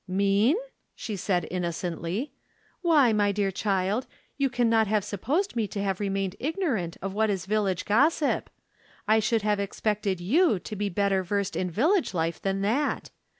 "Mean?" she said, innocently. "Why my dear child, you can not have supposed me to have remained ignorant of what is village gossip ! I should have expected you to be better versed in village life than that.